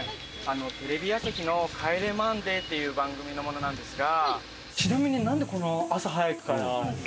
テレビ朝日の『帰れマンデー』っていう番組の者なんですが。